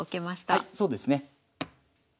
はいそうですね。